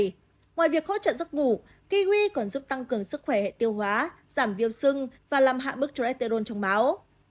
ngoài việc hỗ trợ giấc ngủ kiwi còn giúp tăng cường sức khỏe hệ tiêu hóa giảm viêu sưng và làm hạ bức cho hệ tiêu hóa trong máu